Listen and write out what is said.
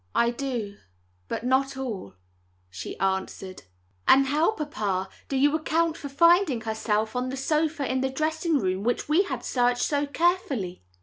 "I do, but not all," she answered. "And how, papa, do you account for her finding herself on the sofa in the dressing room, which we had searched so carefully?"